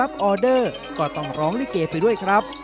ออเดอร์ก็ต้องร้องลิเกไปด้วยครับ